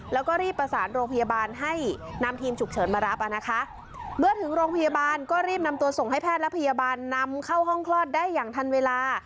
แล้วก็รีบประสานโรงพยาบาลให้นำทีมฉุกเฉินมารับอ่ะนะคะเมื่อถึงโรงพยาบาลก็รีบนำตัวส่งให้แพทย์และพยาบาลนำเข้าห้องคลอดได้อย่างทันเวลา